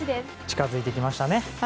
近づいてきましたね。